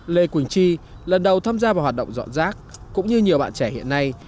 lê quỳnh chi lần đầu tham gia vào hoạt động dọn rác cũng như nhiều bạn trẻ hiện nay